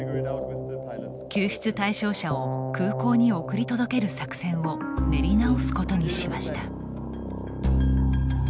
救出対象者を空港に送り届ける作戦を練り直すことにしました。